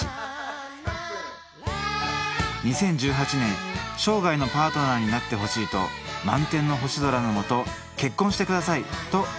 ２０１８年生涯のパートナーになってほしいと満天の星空のもと結婚してください！と言いました。